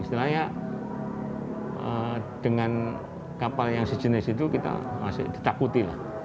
istilahnya dengan kapal yang sejenis itu kita masih ditakuti lah